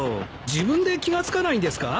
自分で気が付かないんですか？